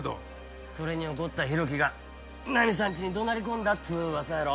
それに怒った浩喜がナミさんちに怒鳴り込んだっつう噂やろ。